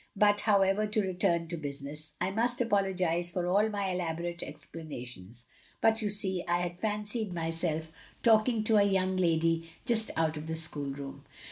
"But, however, to return to business — I must apologise for all my elaborate explanations, but you see I had fancied myself talking to a young lady just out of the schoolroom."